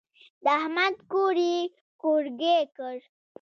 د احمد کور يې کورګی کړ.